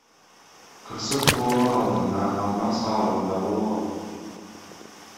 Кырсык болоор алдында ал мас абалында болгон.